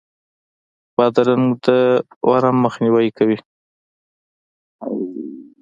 بادرنګ د ورم مخنیوی کوي.